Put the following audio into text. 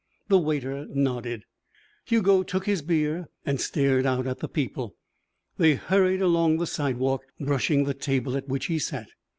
The waiter nodded. Hugo took his beer and stared out at the people. They hurried along the sidewalk, brushing the table at which he sat.